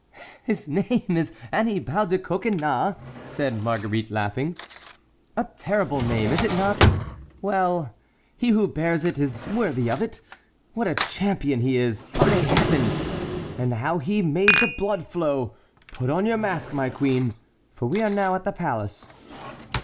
"His name is Annibal de Coconnas!" said Marguerite, laughing. "A terrible name, is it not? Well, he who bears it is worthy of it. What a champion he is, by Heaven! and how he made the blood flow! Put on your mask, my queen, for we are now at the palace."